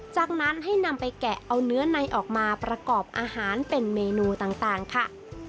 จากนั้นให้นำไปแกะเอาเนื้อในออกมาประกอบอาหารเป็นเมนูต่างค่ะ